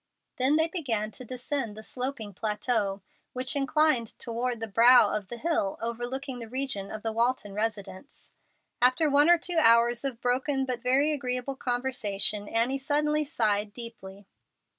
Then they began to descend the sloping plateau which inclined toward the brow of the hill overlooking the region of the Walton residence. After one or two hours of broken but very agreeable conversation Annie suddenly sighed deeply.